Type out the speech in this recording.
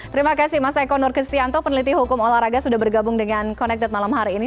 terima kasih mas eko nur kistianto peneliti hukum olahraga sudah bergabung dengan connected malam hari ini